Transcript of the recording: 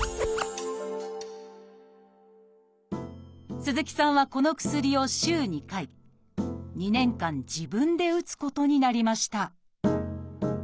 鈴木さんはこの薬を週２回２年間自分で打つことになりました